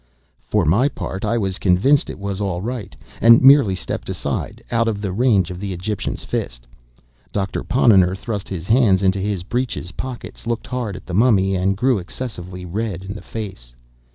For my part I was convinced it was all right, and merely stepped aside, out of the range of the Egyptian's fist. Doctor Ponnonner thrust his hands into his breeches' pockets, looked hard at the Mummy, and grew excessively red in the face.